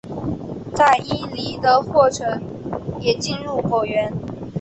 在伊犁的霍城也进入果园。